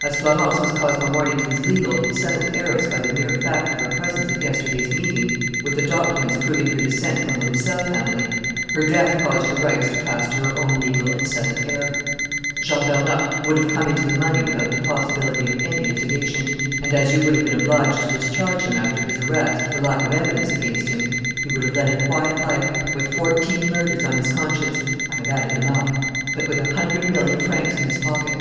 "As Florence was Cosmo Mornington's legal and settled heiress by the mere fact of her presence at yesterday's meeting with the documents proving her descent from the Roussel family, her death caused her rights to pass to her own legal and settled heir. "Jean Vernocq would have come into the money without the possibility of any litigation. And, as you would have been obliged to discharge him after his arrest, for lack of evidence against him, he would have led a quiet life, with fourteen murders on his conscience I have added them up but with a hundred million francs in his pocket.